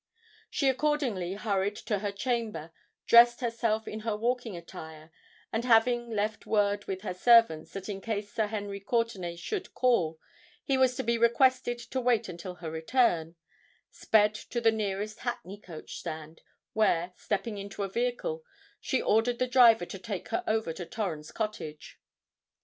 She accordingly hurried to her chamber, dressed herself in her walking attire, and having left word with her servants that in case Sir Henry Courtenay should call, he was to be requested to wait until her return, sped to the nearest hackney coach stand, where, stepping into a vehicle, she ordered the driver to take her over to Torrens Cottage.